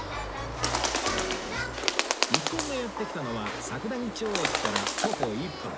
一行がやって来たのは桜木町駅から徒歩１分